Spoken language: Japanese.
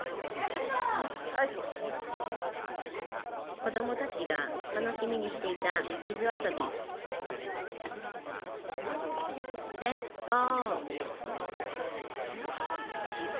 こどもたちが楽しみにしていた水遊びレッツゴー！